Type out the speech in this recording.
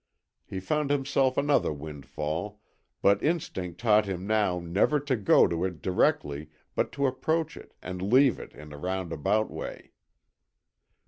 He found himself another windfall, but instinct taught him now never to go to it directly, but to approach it, and leave it, in a roundabout way.